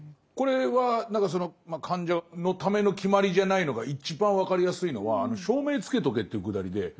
これは何かその患者のための決まりじゃないのが一番分かりやすいのはあの「照明つけとけ」っていうくだりで。